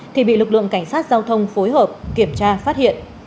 thì bị lực lượng cảnh sát giao thông phối hợp kiểm tra phát hiện